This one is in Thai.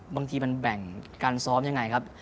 บางทีมันแบ่งการซ้อมยังไงครับ